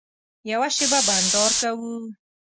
یوه شېبه بنډار کوو.